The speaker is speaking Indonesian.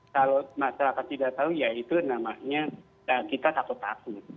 kalau masyarakat tidak tahu ya itu namanya kita takut takut